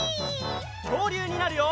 きょうりゅうになるよ！